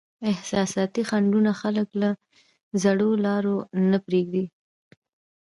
احساساتي خنډونه خلک له زړو لارو نه پرېږدي.